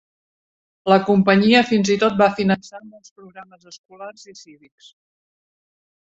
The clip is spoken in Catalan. La companyia fins i tot va finançar molts programes escolars i cívics.